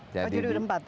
jadi sudah empat ya